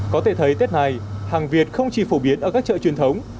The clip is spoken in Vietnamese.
có thể thấy tết này hàng việt không chỉ phổ biến ở các chợ truyền thống